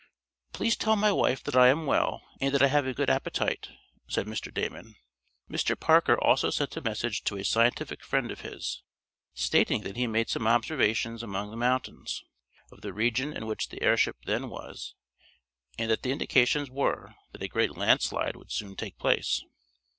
"Please tell my wife that I am well, and that I have a good appetite," said Mr. Damon. Mr. Parker also sent a message to a scientific friend of his, stating that he made some observations among the mountains, of the region in which the airship then was, and that the indications were that a great landslide would soon take place.